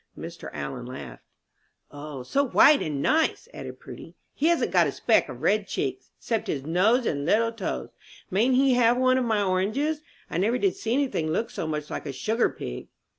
Mr. Allen laughed. "O, so white and nice!" added Prudy. "He hasn't got a speck of red cheeks, 'cept his nose and little toes. Mayn't he have one of my oranges? I never did see any thing look so much like a sugar pig."